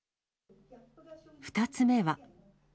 ２つ目は。